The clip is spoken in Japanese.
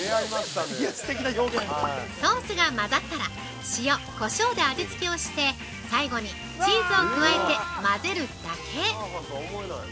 ◆ソースが混ざったら塩・こしょうで味付けをして、最後にチーズを加えて混ぜるだけ。